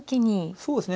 そうですね。